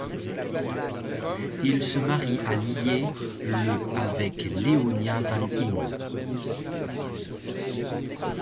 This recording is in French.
Il se marie à Lier le avec Leonia Van In.